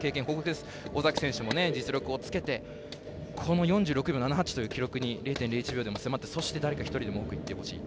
尾崎選手も実力をつけてこの４６秒７８という記録に０．０１秒でも迫ってそして、誰か一人でもいってほしい。